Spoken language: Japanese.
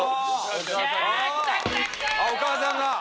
あっお母さんが。